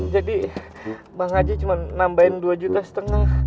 jadi bang haji cuma nambahin dua juta setengah